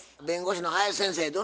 弁護士の林先生